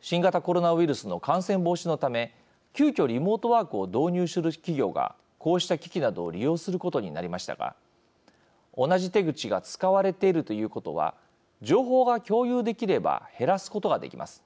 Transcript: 新型コロナウイルスの感染防止のため、急きょリモートワークを導入する企業がこうした機器などを利用することになりましたが同じ手口が使われているということは情報が共有できれば減らすことができます。